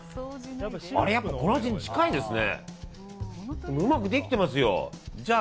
あれ、やっぱこの味に近いですね。